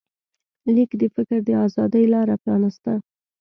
لیک د فکر د ازادۍ لاره پرانسته.